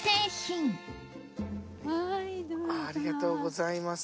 ありがとうございます。